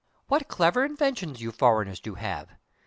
"What clever inventions you foreigners do have!